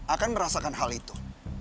akan merasakan hal itu